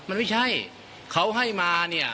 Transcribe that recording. มันไม่ใช่เขาให้มาเนี่ย